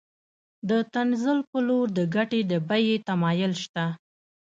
د تنزل په لور د ګټې د بیې تمایل شته